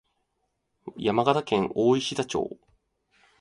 山形県大石田町